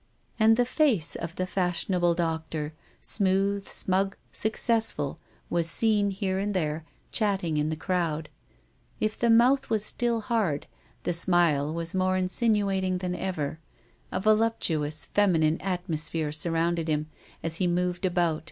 And the face of the fashionable doctor, smooth, smug, successful, was seen here and there chatting in the crowd. If the mouth was still hard, the smile was more insinuating than ever. A voluptuous feminize atmos phere surrounded him as he moved about.